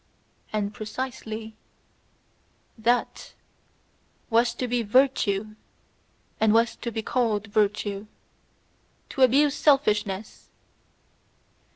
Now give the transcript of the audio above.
And precisely THAT was to be virtue and was to be called virtue to abuse selfishness!